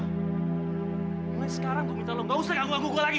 mulai sekarang gue minta lo nggak usah ganggu ganggu gue lagi